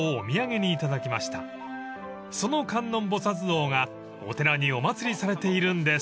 ［その観音菩薩像がお寺にお祭りされているんです］